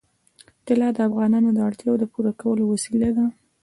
طلا د افغانانو د اړتیاوو د پوره کولو وسیله ده.